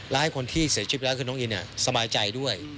และให้คนที่เสียชีวิตแล้วคือน้องอินสบายใจด้วย